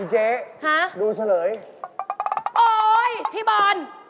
เจ๊ดูเฉลยโอ๊ยพี่บอล